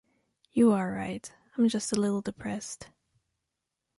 You are right. I'm just a little depressed.